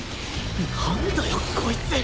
なんだよ？こいつ！